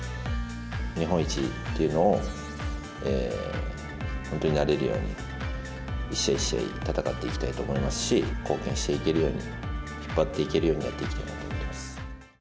日本一というのを、本当になれるように、一試合一試合戦っていきたいと思いますし、貢献していけるように、引っ張っていけるようにやっていきたいと思います。